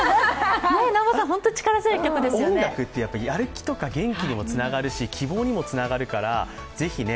音楽ってやっぱりやる気とか元気にもつながるし、希望にもつながるから、ぜひね。